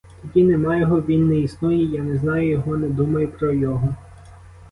Тоді нема його, він не існує, я не знаю його, не думаю про його!